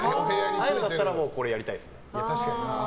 ああいうのだったらこれやりたいですね。